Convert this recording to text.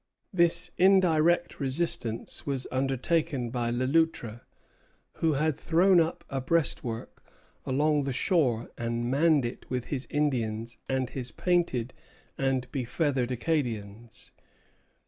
This indirect resistance was undertaken by Le Loutre, who had thrown up a breastwork along the shore and manned it with his Indians and his painted and be feathered Acadians.